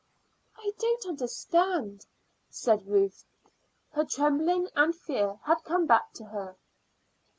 "I don't understand," said Ruth. Her trembling and fear had come back to her.